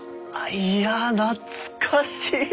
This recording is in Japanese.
いや懐かしい！